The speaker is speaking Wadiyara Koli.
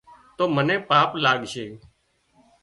تو منين پاپ لاڳشي